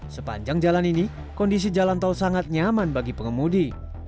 sepanjang jalan ini kondisi jalan tol sangat nyaman bagi pengemudi